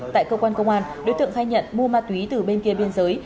tại cơ quan công an đối tượng khai nhận mua ma túy từ bên kia biên giới